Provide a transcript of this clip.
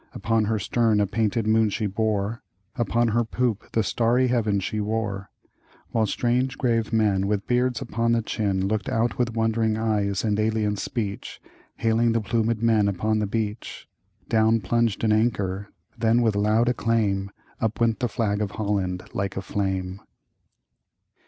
Upon her stern a painted moon she bore, Upon her poop the starry heaven she wore; While strange, grave men with beards upon the chinLooked out with wondering eyes and alien speech, Hailing the plumèd men upon the beach, Down plunged an anchor, then with loud acclaimUp went the flag of Holland like a flame!